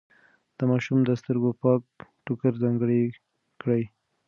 د ماشوم د سترګو پاک ټوکر ځانګړی کړئ.